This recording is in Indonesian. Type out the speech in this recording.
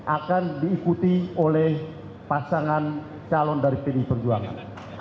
akan diikuti oleh pasangan calon dari pdi perjuangan